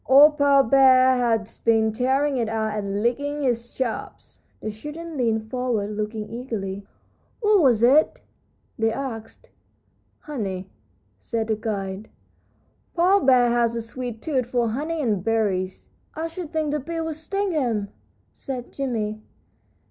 Old Paw Bear has been tearing it out and licking his chops." The children leaned forward, looking eagerly. "What was it?" they asked. "Honey," said the guide. "Paw Bear has a sweet tooth for honey and berries." "I should think the bees would sting him," said Jimmie.